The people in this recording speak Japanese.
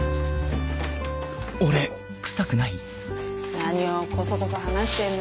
何をコソコソ話してんだ？